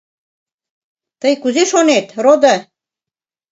— Тый кузе шонет, родо?..